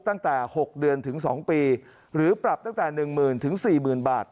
ตั้งแต่๖เดือนถึง๒ปีหรือปรับตั้งแต่๑หมื่นถึง๔หมื่นบาท